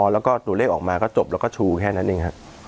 แล้วก็ตัวเลขออกมาก็จบแล้วก็ชูแค่นั้นเองครับ